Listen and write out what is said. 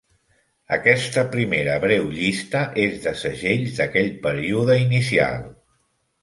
Aquesta primera breu llista és de segells d'aquell període inicial.